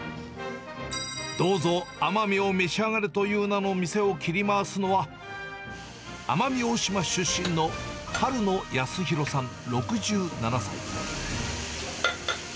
どうぞ奄美を召し上がれという名の店を切り回すのは、奄美大島出身の春野安弘さん６７歳。